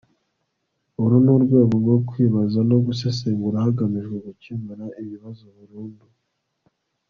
uru ni urwego rwo kwibaza no gusesengura hagamijwe gukemura ibibazo burundu